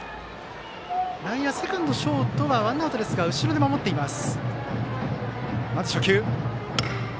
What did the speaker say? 内野、セカンド、ショートはワンアウトですが後ろで守っています。